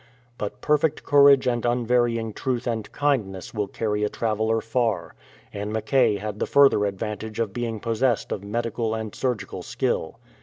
But perfect courage and unvarying truth and kindness will carry a traveller far, and Mackay had the further advantage of being possessed of medical and surgical skill.